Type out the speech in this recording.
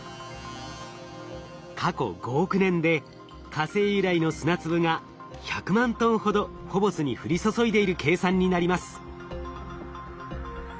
過去５億年で火星由来の砂粒が１００万トンほどフォボスに降り注いでいる計算になります。